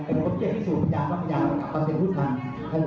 เป็นความเชื่อที่สูงพยายามกับพยายามของเสียงพูดภัณฑ์